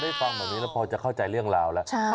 ฟังแบบนี้แล้วพอจะเข้าใจเรื่องราวแล้ว